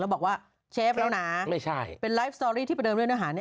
แล้วบอกว่าเชฟแล้วนะไม่ใช่เป็นไลฟ์สตอรี่ที่ไปเดินเล่นอาหาร